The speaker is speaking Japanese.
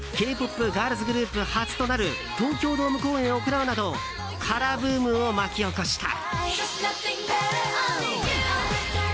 ガールズグループ初となる東京ドーム公演を行うなどＫＡＲＡブームを巻き起こした。